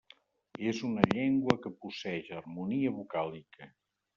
És una llengua que posseeix harmonia vocàlica.